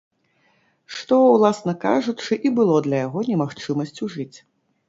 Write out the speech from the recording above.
Што, уласна кажучы, і было для яго немагчымасцю жыць.